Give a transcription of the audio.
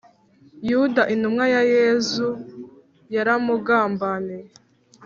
Yuda intumwa ya yezu yaramugambaniye